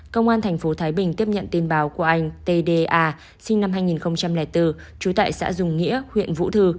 công an thành phố thái bình tiếp nhận tin báo của anh t d a sinh năm hai nghìn bốn trú tại xã dùng nghĩa huyện vũ thừ